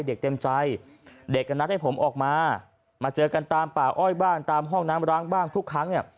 เด็กเต็มใจเด็กก็นัดให้ผมออกมามาเจอกันตามป่าอ้อยบ้างตามห้องน้ำร้างบ้างทุกครั้งเนี่ย